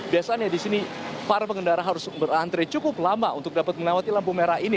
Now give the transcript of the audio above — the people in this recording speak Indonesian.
biasanya di sini para pengendara harus berantri cukup lama untuk dapat mengawati lampu merah ini